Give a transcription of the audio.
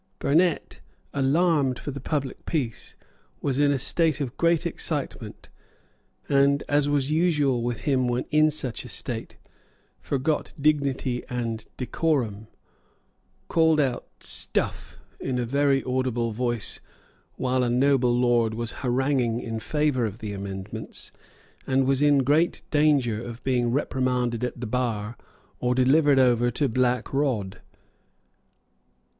Burnet, alarmed for the public peace, was in a state of great excitement, and, as was usual with him when in such a state, forgot dignity and decorum, called out "stuff" in a very audible voice while a noble Lord was haranguing in favour of the amendments, and was in great danger of being reprimanded at the bar or delivered over to Black Rod.